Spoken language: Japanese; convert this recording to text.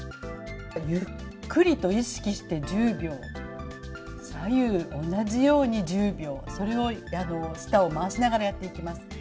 ゆっくりと意識して１０秒、左右同じように１０秒、それを舌を回しながらやっていきます。